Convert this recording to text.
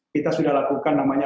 kita sudah lakukan namanya